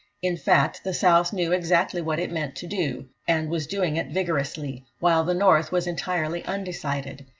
In fact, the South knew exactly what it meant to do, and was doing it vigorously, while the North was entirely undecided.